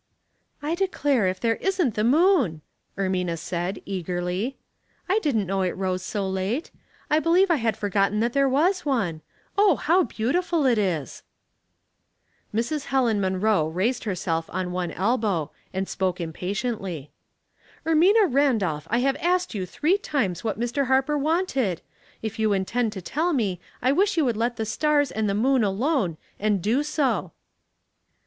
" I declare if there isn't the moon," Ermina said, eagerly. *' I didn't know it rose so late. I believe I had forgotten that there was one. Oh, how beautiful it is !" Mrs. Helen Munroe raised herself on one elbow, and spoke impatiently. " Ermina Randolph, I have asked you tliree times what Mr. Harper wanted. If you intend to tell me, I wish you would let the stars and the moon alone, and do so."